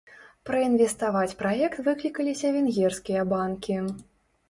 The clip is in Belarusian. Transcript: Праінвеставаць праект выклікаліся венгерскія банкі.